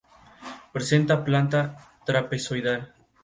Presenta planta trapezoidal.